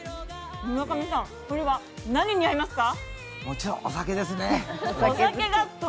村上さん、これは何に合いますか。